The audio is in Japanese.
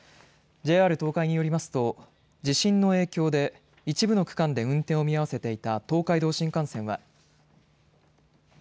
ＪＲ東海によりますと地震の影響で一部の区間で運転を見合わせていた東海道新幹線は。